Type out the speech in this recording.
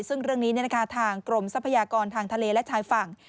ซึ่งเรื่องนี้ทางกรมทรัพยากรทางทะเลและชายฝั่ง